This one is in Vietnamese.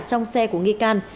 trong xe của nghi can